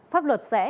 pháp luật sẽ đưa ra